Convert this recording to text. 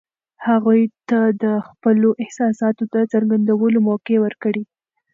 هغوی ته د خپلو احساساتو د څرګندولو موقع ورکړئ.